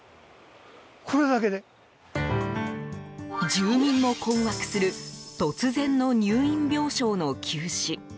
住民も困惑する突然の入院病床の休止。